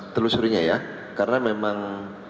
telusuri nya ya karena memang